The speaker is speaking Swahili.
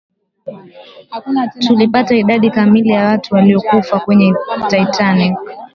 tulipata idadi kamili ya watu waliyokufa kwenye titanic